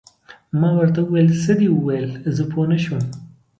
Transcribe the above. ما ورته وویل: څه دې وویل؟ زه پوه نه شوم.